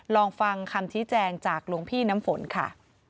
ลองฟังคำชี้แจงจากหลวงพี่น้ำฝนค่ะ